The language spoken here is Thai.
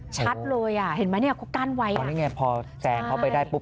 ชัดเลยอ่ะเห็นไหมเนี่ยเขากั้นไว้อ่ะอ๋อนี่ไงพอแซงเข้าไปได้ปุ๊บ